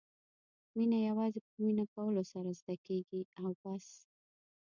مینه یوازې په مینه کولو سره زده کېږي او بس.